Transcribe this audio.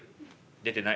「出てない」。